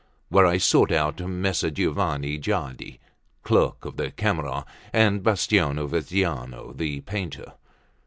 There I sought out Messer Giovanni Gaddi, clerk of the Camera, and Bastiano Veneziano, the painter.